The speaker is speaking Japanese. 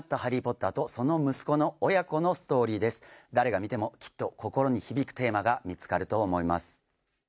誰が見てもきっと心に響くテーマが見つかると思います